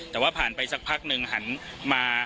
แต่ว่าผ่านไปสักพักหนึ่งหันมา